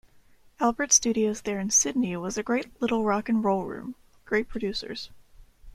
Albert Studios there in Sydney was a great little rock and roll room...Great producers.